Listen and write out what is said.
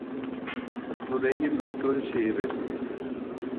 ئابدۇرېھىم ئۆتكۈر شېئىرى.